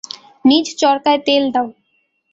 নিজ চরকায় তেল দাও।